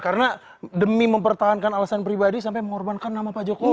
karena demi mempertahankan alasan pribadi sampai mengorbankan nama pak jokowi